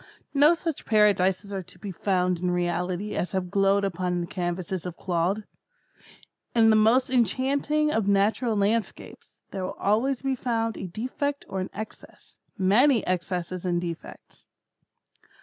No such Paradises are to be found in reality as have glowed upon the canvass of Claude. In the most enchanting of natural landscapes, there will always be found a defect or an excess—many excesses and defects.